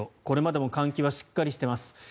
これまでも換気はしっかりしています。